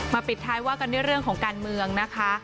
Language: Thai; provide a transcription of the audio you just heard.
ปิดท้ายว่ากันด้วยเรื่องของการเมืองนะคะ